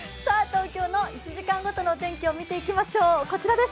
東京の１時間ごとの予報を見ていきましょう。